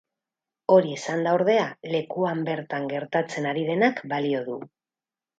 Hori esanda, ordea, lekuan bertan gertatzen ari denak balio du.